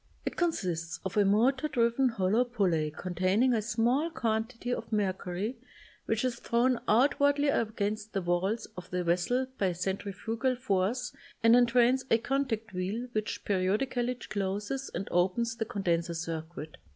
It consists of a motor driven hollow pulley containing a small quantity of mercury which is thrown out wardly against the walls of the vessel bv (Continued from page 260) centrifugal force and entrains a contact wheel which periodically closes and opens the condenser circuit.